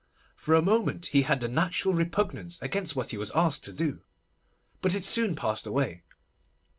For a moment he had a natural repugnance against what he was asked to do, but it soon passed away.